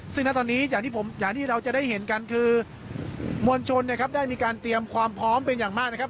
ซึ่งณตอนนี้อย่างที่ผมอย่างที่เราจะได้เห็นกันคือมวลชนนะครับได้มีการเตรียมความพร้อมเป็นอย่างมากนะครับ